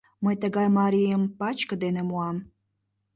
— Мый тыгай марийым пачке дене муам.